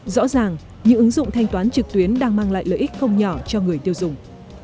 rõ ràng những ứng dụng thanh toán trực tuyến đang mang lại lợi ích không nhỏ cho người tiêu dùng